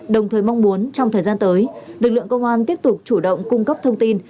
đồng thời mong muốn trong thời gian tới lực lượng công an tiếp tục chủ động cung cấp thông tin